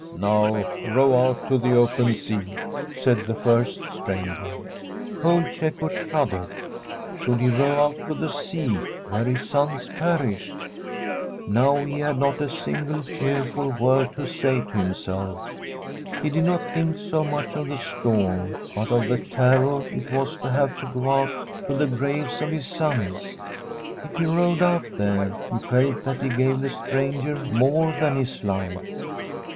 ' Now row out to the open sea/ said the first stranger. Old Cecco shuddered. Should he row out to the sea, where his sons perished? Now he had not a single cheerful word to say to himself. He did not think so much of the storm, but of the terror it was to have to go out to the graves of his sons. If he rowed out there, he felt that he gave the stranger more than his life.